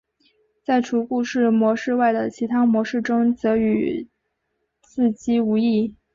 在除故事模式外的其他模式中则与自机无异。